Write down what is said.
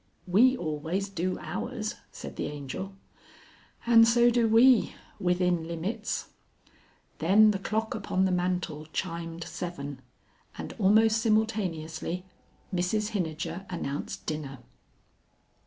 "We always do ours," said the Angel. "And so do we, within limits." Then the clock upon the mantel chimed seven, and almost simultaneously Mrs Hinijer announced dinner.